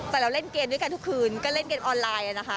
แต่เราเล่นเกมด้วยกันทุกคืนก็เล่นเกมออนไลน์นะคะ